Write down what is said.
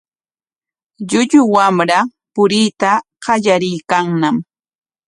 Llullu wamra puriyta qallariykanñam.